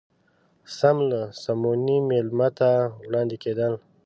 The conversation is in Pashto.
سم له سمونې مېلمه ته وړاندې کېدل.